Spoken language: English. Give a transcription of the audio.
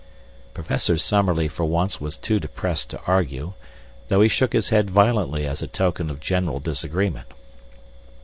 Professor Summerlee for once was too depressed to argue, though he shook his head violently as a token of general disagreement.